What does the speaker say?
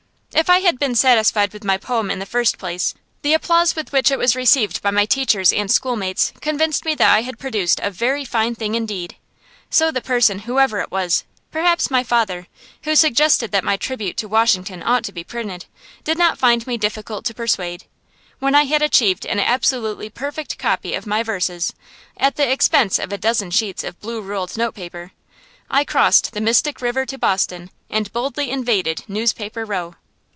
If I had been satisfied with my poem in the first place, the applause with which it was received by my teachers and schoolmates convinced me that I had produced a very fine thing indeed. So the person, whoever it was, perhaps my father who suggested that my tribute to Washington ought to be printed, did not find me difficult to persuade. When I had achieved an absolutely perfect copy of my verses, at the expense of a dozen sheets of blue ruled note paper, I crossed the Mystic River to Boston and boldly invaded Newspaper Row.